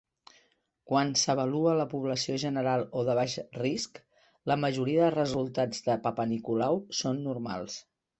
Quan s'avalua la població general o de baix risc, la majoria de resultats de Papanicolau són normals.